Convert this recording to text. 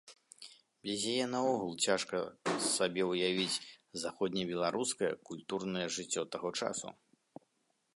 Без яе наогул цяжка сабе ўявіць заходнебеларускае культурнае жыццё таго часу.